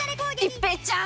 一平ちゃーん！